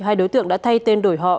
hai đối tượng đã thay tên đổi họ